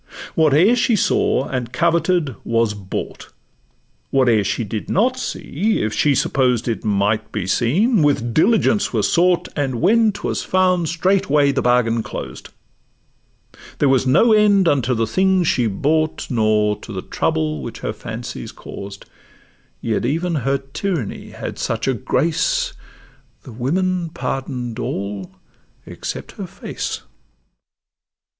Whate'er she saw and coveted was brought; Whate'er she did not see, if she supposed It might be seen, with diligence was sought, And when 'twas found straightway the bargain closed; There was no end unto the things she bought, Nor to the trouble which her fancies caused; Yet even her tyranny had such a grace, The women pardon'd all except her face.